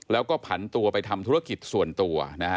แล้วก็ผันตัวไปทำธุรกิจส่วนตัวนะฮะ